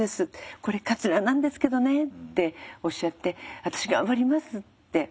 これカツラなんですけどね」っておっしゃって「私頑張ります」って。